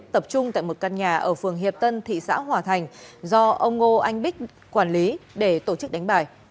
tập trung tại một căn nhà ở phường hiệp tân thị xã hòa thành do ông ngô anh bích quản lý để tổ chức đánh bài